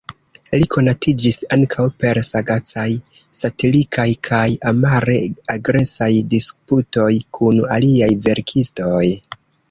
Li konatiĝis ankaŭ per sagacaj-satirikaj kaj amare-agresaj disputoj kun aliaj verkistoj.